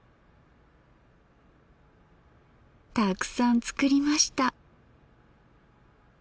たくさん作りました。